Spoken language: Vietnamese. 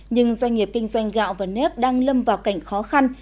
nhưng doanh nghiệp kinh doanh gạo và nếp đang lâm vào cảnh khó khăn